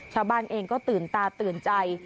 ชาวบ้านเองก็ตื่นตาตื่นใจ